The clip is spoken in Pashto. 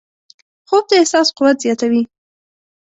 خوب د احساس قوت زیاتوي